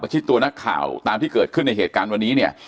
ชิดตัวนักข่าวตามที่เกิดขึ้นในเหตุการณ์วันนี้เนี่ย